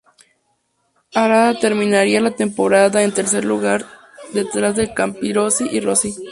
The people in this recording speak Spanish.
Harada terminaría la temporada en tercer lugar detrás de Capirossi y Rossi.